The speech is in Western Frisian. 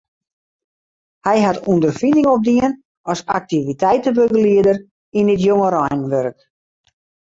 Hy hat ûnderfining opdien as aktiviteitebegelieder yn it jongereinwurk.